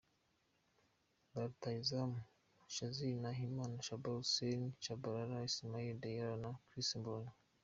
Ba rutahizamu: Shassir Nahimana, Shaban Hussein Tshabalala, Ismaila Diarra na Christ Mbondi.